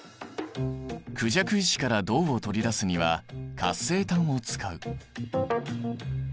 クジャク石から銅を取り出すには活性炭を使う。